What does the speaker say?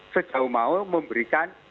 sejauh mau memberikan